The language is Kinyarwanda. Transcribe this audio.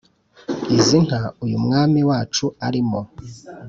izi nka uyu mwami wacu arimo,